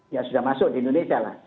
ya sudah masuk di indonesia lah